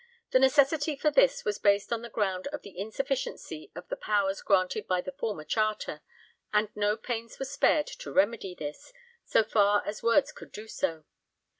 The necessity for this was based on the ground of the insufficiency of the powers granted by the former charter, and no pains were spared to remedy this, so far as words could do so.